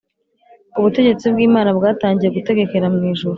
Ubutegetsi bw’Imana bwatangiye gutegekera mu ijuru